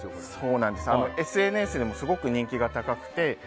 ＳＮＳでもすごく人気が高くて。